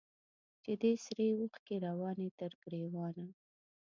چي دي سرې اوښکي رواني تر ګرېوانه